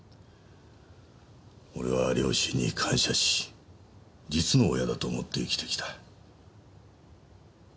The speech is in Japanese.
俺は両親に感謝し実の親だと思って生きてきた。